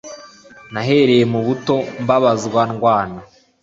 Nahereye mu buto mbabazwa ndwana